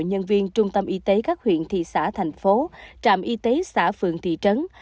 nhân viên trung tâm y tế các huyện thị xã thành phố trạm y tế xã phường thị trấn